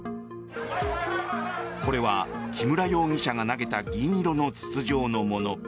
これは木村容疑者が投げた銀色の筒状のもの。